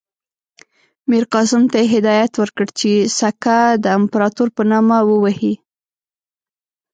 میرقاسم ته یې هدایت ورکړ چې سکه د امپراطور په نامه ووهي.